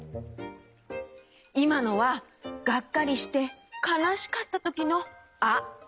いまのはがっかりしてかなしかったときの「あ」！